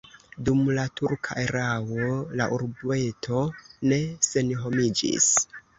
Dum la turka erao la urbeto ne senhomiĝis.